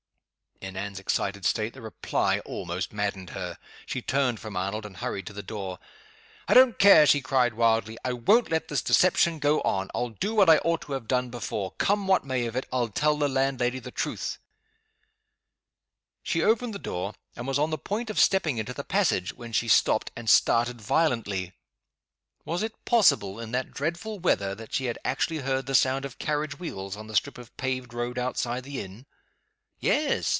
In Anne's excited state, the reply almost maddened her. She turned from Arnold, and hurried to the door. "I don't care!" she cried, wildly. "I won't let this deception go on. I'll do what I ought to have done before. Come what may of it, I'll tell the landlady the truth!" She had opened the door, and was on the point of stepping into the passage when she stopped, and started violently. Was it possible, in that dreadful weather, that she had actually heard the sound of carriage wheels on the strip of paved road outside the inn? Yes!